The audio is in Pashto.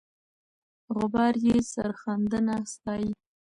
غبار یې سرښندنه ستایي.